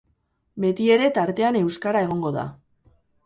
Betiere tartean euskara egongo da.